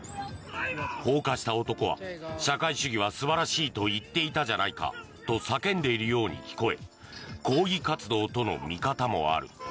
放火した男は社会主義は素晴らしいと言っていたじゃないかと叫んでいるように聞こえ抗議活動との見方もある。